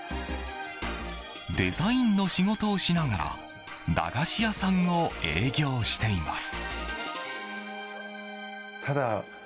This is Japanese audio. デザインの仕事をしながら駄菓子屋さんを営業しています。